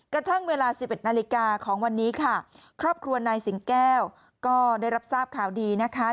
กระทั่งเวลาสิบเอ็ดนาฬิกาของวันนี้ค่ะครอบครัวนายสิงแก้วก็ได้รับทราบข่าวดีนะคะ